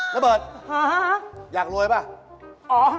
น้าเบิร์ตอยากรวยป่ะฮึ